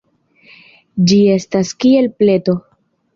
Ĝi estas kiel pleto.